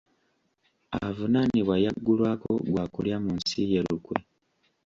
Avunaanibwa yaggulwako gwa kulya mu nsi ye lukwe.